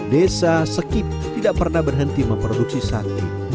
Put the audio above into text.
desa sekip tidak pernah berhenti memproduksi sate